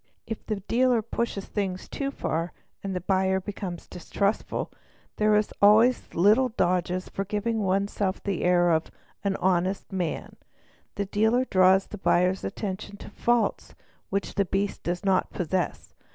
|_ If the dealer pushes things too far and the buyer becomes distrustful, ' there are always little dodges for giving oneself the air of 'an honest + man." 'The dealer draws the buyer's attention to faults which the beast 'does not possess.